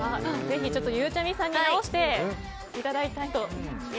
ぜひ、ゆうちゃみさんに直していただきたいと。